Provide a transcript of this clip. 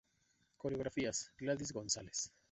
Coreografías: Gladys González.